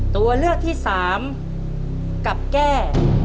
ตัวเลือกที่๓กลับแก้